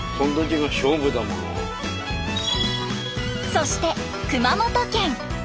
そして熊本県。